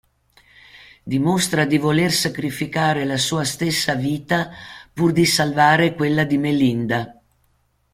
Dimostra di voler sacrificare la sua stessa vita pur di salvare quella di Melinda.